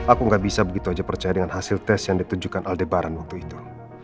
aku nggak bisa begitu aja percaya dengan hasil tes yang ditunjukkan aldebaran waktu itu